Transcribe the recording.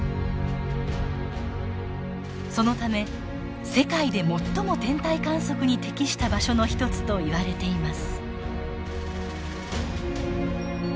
そのため世界で最も天体観測に適した場所の一つといわれています。